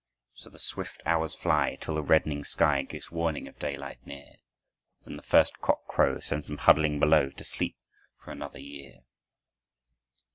So the swift hours fly Till the reddening sky Gives warning of daylight near. Then the first cock crow Sends them huddling below To sleep for another year.